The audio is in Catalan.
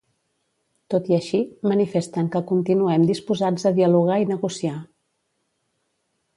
Tot i així, manifesten que continuem disposats a dialogar i negociar.